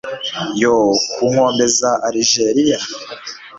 yoo! ku nkombe za alijeriya